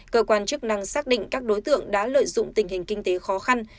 cơ quan chức năng xác định các đối tượng đã lợi dụng tình hình kinh tế khó khăn